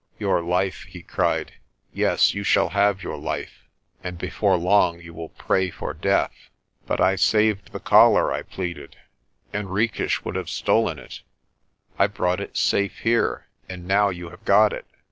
"Your life!' he cried. "Yes, you shall have your life; and before long you will pray for death." "But I saved the Collar," I pleaded. "Henriques would have stolen it. I brought it safe here, and now you have got it."